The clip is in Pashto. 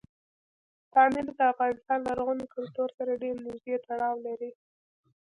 پامیر د افغان لرغوني کلتور سره ډېر نږدې تړاو لري.